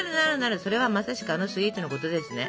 それはまさしくあのスイーツのことですね。